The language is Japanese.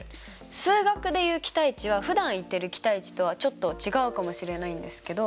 数学で言う期待値はふだん言ってる期待値とはちょっと違うかもしれないんですけど。